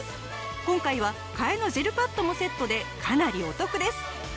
今回は替えのジェルパッドもセットでかなりお得です！